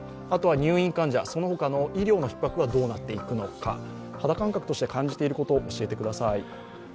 あとは入院患者、その他の医療のひっ迫はどうなっていくのか肌感覚として感じていることを教えてください。